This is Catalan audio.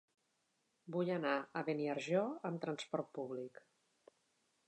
Vull anar a Beniarjó amb transport públic.